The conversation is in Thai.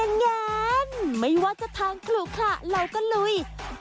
แง่นไม่ว่าจะทางคลุกค่ะเราก็ลุย